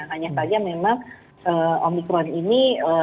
hanya saja memang omikron ini